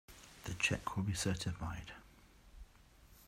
The check will be certified.